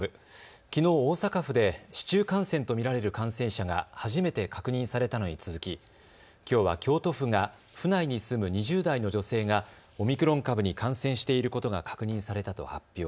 きのう大阪府で市中感染と見られる感染者が初めて確認されたのに続き、きょうは京都府が府内に住む２０代の女性がオミクロン株に感染していることが確認されたと発表。